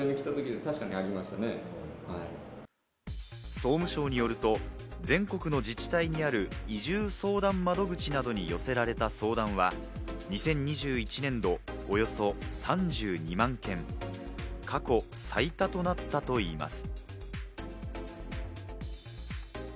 総務省によると、全国の自治体にある移住相談窓口などに寄せられた相談は２０２１年度およそ３２万件、過去最多となったといいます。